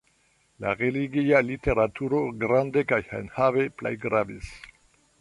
La religia literaturo grande kaj enhave plej gravis.